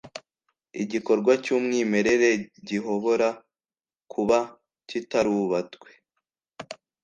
Igikorwa cyumwimerere gihobora kuba kitarubatwe